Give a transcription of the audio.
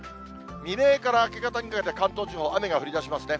未明から明け方にかけて、関東地方、雨が降りだしますね。